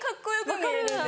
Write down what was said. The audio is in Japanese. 分かる！